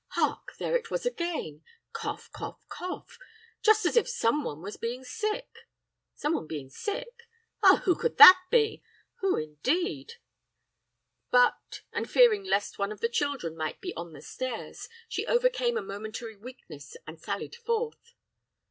Hark! there it was again cough! cough! cough! just as if some one was being sick. Someone being sick! Ah! who could that someone be? who indeed? but and fearing lest one of the children might be on the stairs, she overcame a momentary weakness and sallied forth.